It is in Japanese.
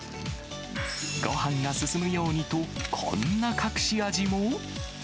ごはんが進むようにと、こんな隠し味も。